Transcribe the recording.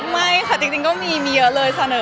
ไม่ค่ะจริงก็มีเยอะเลยเสนอ